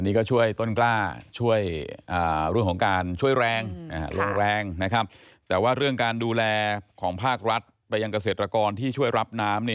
อันนี้ก็ช่วยต้นกล้าช่วยเรื่องของการช่วยแรงลงแรงนะครับ